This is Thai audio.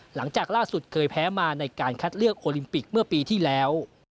หลังจากล่าสุดเคยแพ้มาในการคัดเลือกโอลิมปิกเมื่อปีที่แล้ว